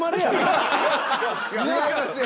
違います。